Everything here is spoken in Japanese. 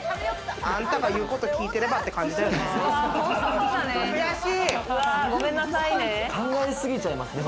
あんたが言うこと聞いてればって感じだよね。